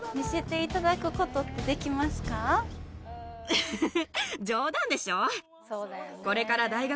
フフフフ。